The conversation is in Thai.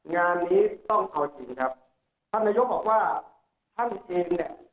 งานนี้ต้องเอาจริงครับท่านนายกบอกว่าท่านเองเนี่ย